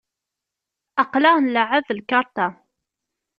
Aql-aɣ nleɛɛeb lkarṭa.